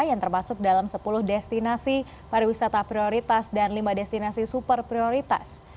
yang termasuk dalam sepuluh destinasi pariwisata prioritas dan lima destinasi super prioritas